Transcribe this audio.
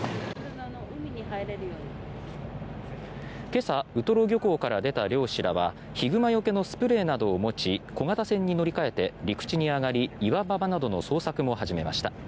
今朝、ウトロ漁港から出た漁師らはヒグマよけのスプレーなどを持ち小型船に乗り換えて陸地に上がり岩場などの捜索も始めました。